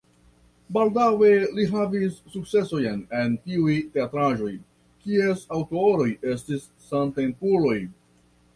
Baldaŭe li havis sukcesojn en tiuj teatraĵoj, kies aŭtoroj estis samtempuloj.